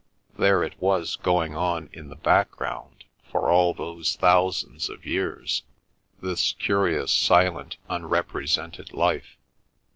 There it was going on in the background, for all those thousands of years, this curious silent unrepresented life.